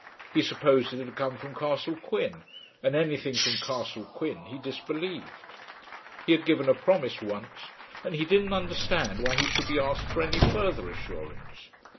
He supposed it had come from Castle Quin, and anything from Castle Quin he disbelieved. He had given a promise once and he didn't understand why he should be asked for any further assurance.